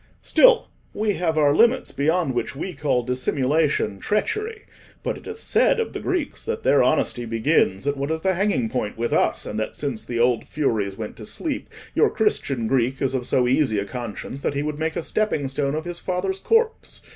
Still we have our limits beyond which we call dissimulation treachery. But it is said of the Greeks that their honesty begins at what is the hanging point with us, and that since the old Furies went to sleep, your Christian Greek is of so easy a conscience that he would make a stepping stone of his father's corpse."